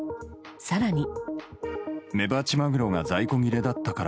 更に。